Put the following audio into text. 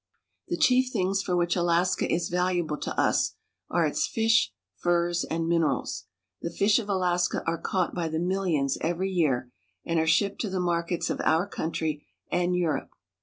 The chief things for which Alaska is valuable to us are its fish, furs, and minerals. The fish of Alaska are caught by the miUions every year, and are shipped to the markets of our country and Europe.